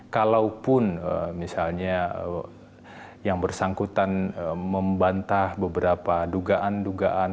kalaupun misalnya yang bersangkutan membantah beberapa dugaan dugaan